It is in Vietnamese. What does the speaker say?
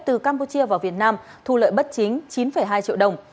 từ campuchia vào việt nam thu lợi bất chính chín hai triệu đồng